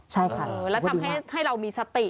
ใช่ค่ะแล้วทำให้เรามีสติ